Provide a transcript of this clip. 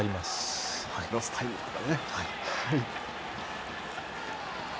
ロスタイムとかね。